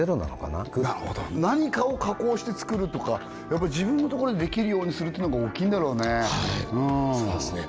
なるほど何かを加工して作るとか自分のところでできるようにするってのが大きいんだろうねはいそうですね